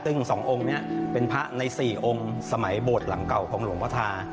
ซึ่ง๒องค์นี้เป็นพระใน๔องค์สมัยโบสถ์หลังเก่าของหลวงพระธา